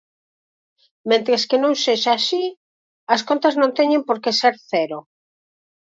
Mentres que non sexa así, as contas non teñen por que ser cero.